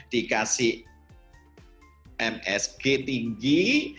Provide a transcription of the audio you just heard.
dikasih msg tinggi